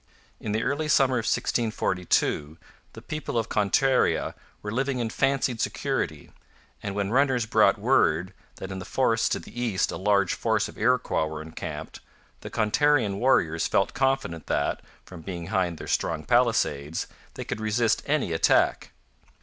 In the early summer of 1642 the people of Contarea were living in fancied security; and when runners brought word that in the forests to the east a large force of Iroquois were encamped, the Contarean warriors felt confident that, from behind their strong palisades, they could resist any attack.